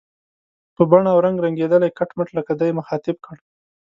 په بڼه او رنګ رنګېدلی، کټ مټ لکه دی، مخاطب کړ.